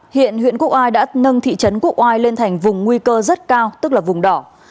hiện huyện quốc oai đã nâng thị trấn quốc oai lên thành vùng nguy cơ rất cao tức là vùng đỏ